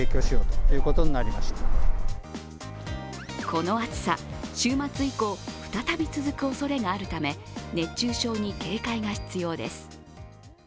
この暑さ、週末以降再び続くおそれがあるため、熱中症に警戒が必要です。